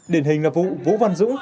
điển hình là vụ vũ văn dũng